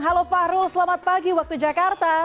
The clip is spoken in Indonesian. halo fahrul selamat pagi waktu jakarta